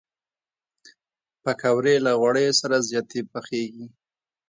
پکورې له غوړیو سره زیاتې پخېږي